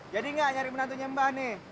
jadi nggak nyari menantunya mbak nih